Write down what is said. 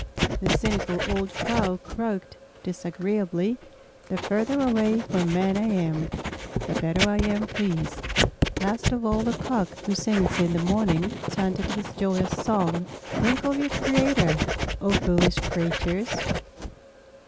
The cynical old Crow croaked disagreeably, "The further away from men I am, the better I am pleased." Last of all the Cock who sings in the morning chanted his joyous song, "Think of your Creator, O foolish creatures!"